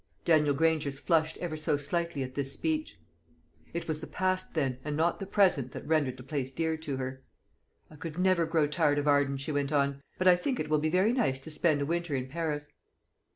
Daniel Granger's face flushed ever so slightly at this speech. It was the past, then, and not the present, that rendered the place dear to her. "I could never grow tired of Arden," she went on; "but I think it will be very nice to spend a winter in Paris."